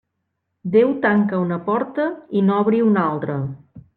Déu tanca una porta i n'obri una altra.